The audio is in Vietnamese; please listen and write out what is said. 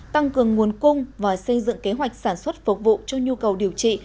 tăng cường nguồn cung và xây dựng kế hoạch sản xuất phục vụ cho nhu cầu điều trị